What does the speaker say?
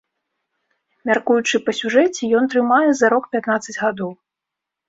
Мяркуючы па сюжэце, ён трымае зарок пятнаццаць гадоў.